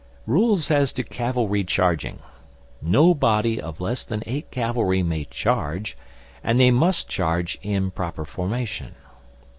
] Rules as to Cavalry Charging: No body of less than eight cavalry may charge, and they must charge in proper formation.